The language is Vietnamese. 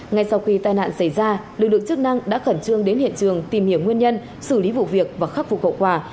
ngay sau khi tai nạn xảy ra lực lượng chức năng đã khẩn trương đến hiện trường tìm hiểu nguyên nhân xử lý vụ việc và khắc phục hậu quả